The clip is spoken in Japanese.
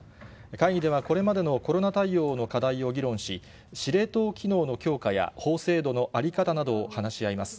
会議ではこれまでのコロナ対応の課題を議論し、司令塔機能の強化や法制度の在り方などを話し合います。